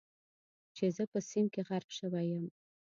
چې زه په سیند کې غرق شوی یم.